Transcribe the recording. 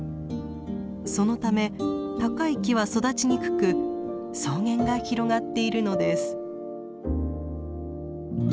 そのため高い木は育ちにくく草原が広がっているのです。